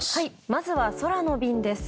まずは、空の便です。